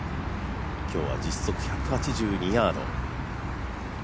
今日は実測１８２ヤード。